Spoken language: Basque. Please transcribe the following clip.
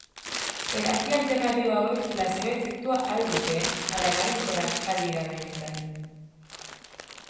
Terapia alternatibo hauek plazebo efektua al dute ala eraginkorrak al dira benetan?